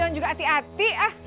sem gradual ati hati ah